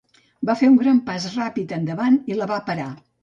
Va fer un gran pas ràpid endavant i la va parar.